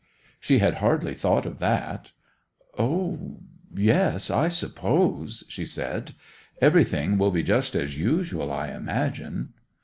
She had hardly thought of that. 'Oh, yes—I suppose!' she said. 'Everything will be just as usual, I imagine?